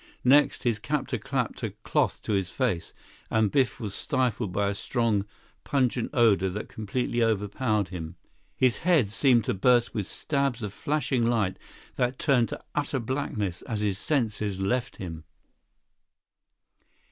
Next, his captor clapped a cloth to his face, and Biff was stifled by a strong, pungent odor that completely overpowered him. His head seemed to burst with stabs of flashing light that turned to utter blackness as his senses left him.